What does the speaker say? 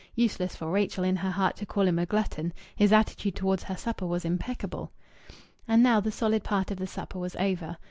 Useless for Rachel in her heart to call him a glutton his attitude towards her supper was impeccable. And now the solid part of the supper was over.